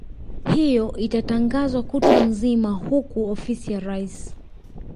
hiyo itatangazwa kutwa nzima huku ofisi ya rais